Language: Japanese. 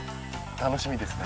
楽しみですね。